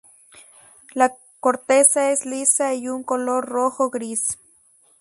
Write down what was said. La corteza es lisa y un color rojo-gris.